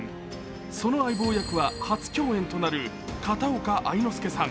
その相棒役は初共演となる片岡愛之助さん。